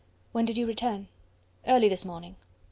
"When did you return?" "Early this morning."